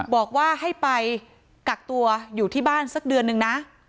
บอกว่าให้ไปกักตัวอยู่ที่บ้านสักเดือนนึงนะ